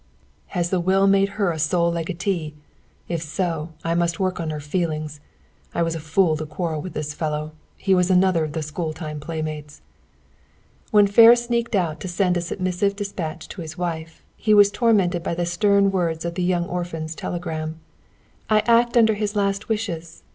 "Has the will made her a sole legatee? If so, I must work on her feelings. I was a fool to quarrel with this fellow. He was another of the school time playmates!" When Ferris sneaked out to send a submissive dispatch to his wife, he was tormented by the stern words of the young orphan's telegram. "I act under his last wishes.